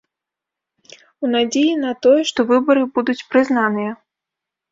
У надзеі на тое, што выбары будуць прызнаныя.